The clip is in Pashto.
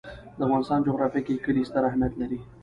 د افغانستان جغرافیه کې کلي ستر اهمیت لري.